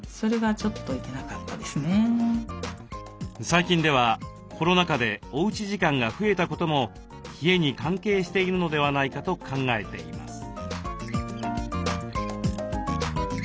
最近ではコロナ禍でおうち時間が増えたことも冷えに関係しているのではないかと考えています。